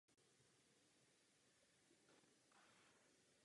Mechanický problém jej stál i vítězství v Grand Prix Mexika.